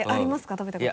食べたこと。